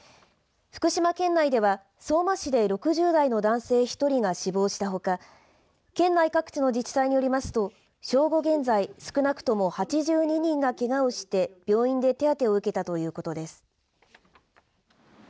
福島県内では、相馬市で６０代の男性１人が死亡したほか県内各地の自治体によりますと正午現在、少なくとも８２人がけがをして病院で手当てを受けたということです。